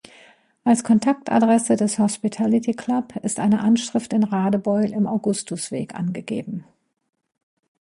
Als Kontaktadresse des Hospitality Club ist eine Anschrift in Radebeul im Augustusweg angegeben.